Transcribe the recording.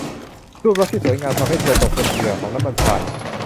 รูปลักษณ์ที่สวยงามทำให้เธอตกเป็นเหยื่อของน้ำมันพราย